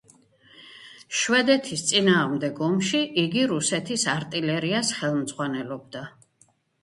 შვედეთის წინააღმდეგ ომში იგი რუსეთის არტილერიას ხელმძღვანელობდა.